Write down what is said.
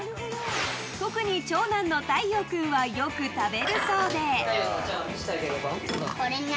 特に長男の太陽君はよく食べるそうで。